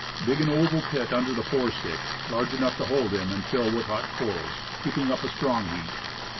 Dig an oval pit under the fore stick, large enough to hold him, and fill it with hot coals, Condiments, i 1 1 keeping up a strong heat.